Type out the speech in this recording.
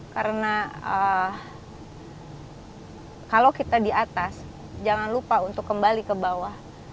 karena kalau kita di atas jangan lupa untuk kembali ke bawah